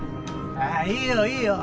ああいいよいいよ。